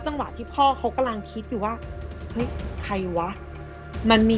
จังหวะที่พ่อเขากำลังคิดอยู่ว่าเฮ้ยใครวะมันมี